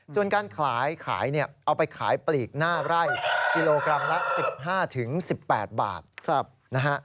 ส่วนการขายขายเนี่ยเอาไปขายปลีกหน้าไร่กิโลกรัมละ๑๕๑๘บาทนะฮะ